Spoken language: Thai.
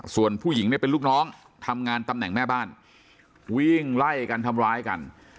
ส่วนผู้หญิงเนี่ยเป็นลูกน้องทำงานตำแหน่งแม่บ้านวิ่งไล่กันทำร้ายกัน